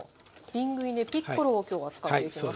リングイネピッコロを今日は使っていきます。